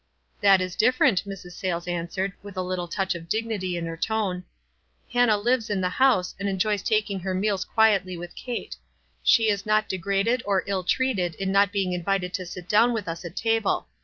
"That is different," Mrs. Sayles answered, with a little touch of dignity in her tone. "Han nah lives in the house, and enjoys taking her meals quietly with Kate. She is not degraded or ill treated in not being invited to sit down with us at table.